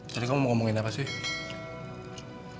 jadi kamu mau ngomongin apa sih